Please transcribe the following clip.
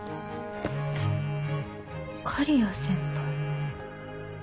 刈谷先輩。